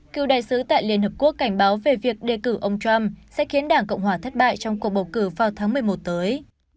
cựu đại sứ tại liên hợp quốc cảnh báo về việc đề cử ông trump sẽ khiến đảng cộng hòa thất bại trong cuộc bầu cử vào tháng một mươi một tới